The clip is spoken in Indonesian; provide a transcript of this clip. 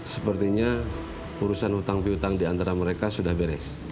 sepertinya urusan hutang hutang di antara mereka sudah beres